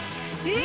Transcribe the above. え！